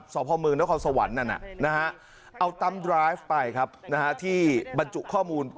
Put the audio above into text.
สมนสวนเอาตำรวจไปที่บรรจุข้อมูล